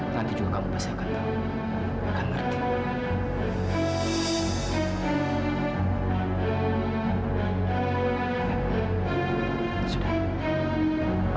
nanti juga kamu pasti akan tahu